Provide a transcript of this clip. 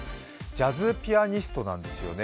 ジャズピアニストなんですよね。